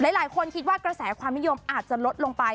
หลายคนคิดว่ากระแสความนิยมอาจจะลดลงไป